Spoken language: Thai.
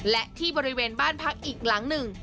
และที่บริเวณบ้านพักอีกหลังหนึ่ง